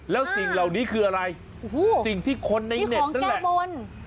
แล้วสิ่งเหล่านี้คืออะไรโอ้โหสิ่งที่คนในเน็ตนั่นแหละนี่ของแก้บน